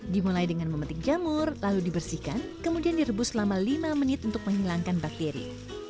dimulai dengan memetik jamur lalu dibersihkan kemudian direbus selama lima menit untuk menghilangkan bakteri